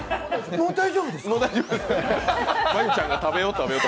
もう大丈夫ですか？